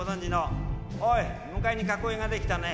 「おい向かいに囲いができたね」。